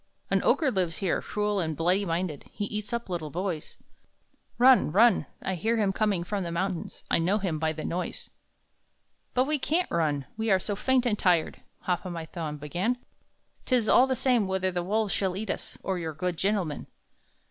"An Ogre lives here, cruel and bloody minded! He eats up little boys! Run, run! I hear him coming from the mountains, I know him by the noise!" "But we can't run, we are so faint and tired!" Hop o' my Thumb began "'Tis all the same whether the wolves shall eat us, Or your good gentleman."